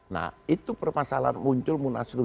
nah itu permasalah muncul munaslup